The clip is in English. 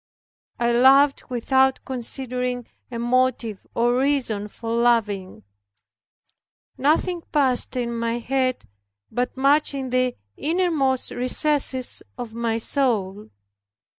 I loved without considering a motive or reason for loving. Nothing passed in my head, but much in the innermost recesses of my soul.